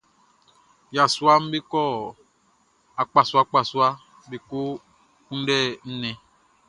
Yasuaʼm be kɔ akpasuaakpasua be ko kunndɛ nnɛn.